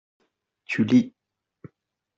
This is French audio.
Tu lis.